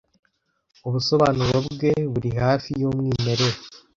Ubusobanuro bwe buri hafi yumwimerere.